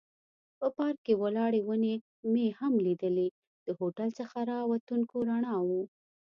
په پارک کې ولاړې ونې مې هم لیدلې، د هوټل څخه را وتونکو رڼاوو.